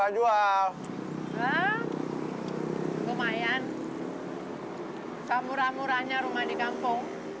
samurah murahnya rumah di kampung